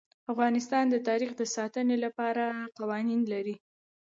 افغانستان د تاریخ د ساتنې لپاره قوانین لري.